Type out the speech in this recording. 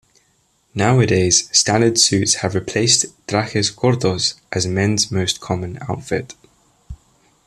Nowadays, standard suits have replaced trajes cortos as men's most common outfit.